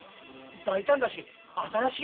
大胆だし新しいよ。